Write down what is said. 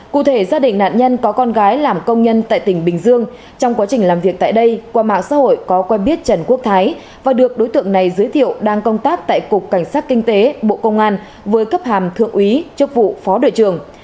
cụ thể gia đình nạn nhân có con gái làm công nhân tại tỉnh bình dương trong quá trình làm việc tại đây qua mạng xã hội có quen biết trần quốc thái và được đối tượng này giới thiệu đang công tác tại cục cảnh sát kinh tế bộ công an với cấp hàm thượng úy chức vụ phó đội trường